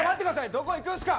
どこに行くんですか。